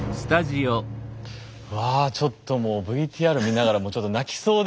うわちょっともうＶＴＲ見ながらもうちょっと泣きそうでしたけど。